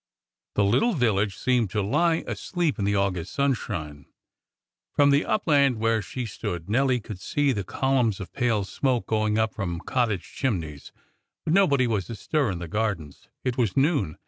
The little village seemed to lie asleep in the August sunshine. From the upland where she stood Nelly could see the columns of pale smoke going up from cottage chimneys, but nobody was astir in the gardens. It was noon.